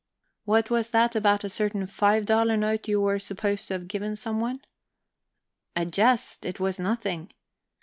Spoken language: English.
What was that about a certain five daler note you were supposed to have given someone?" "A jest. It was nothing..."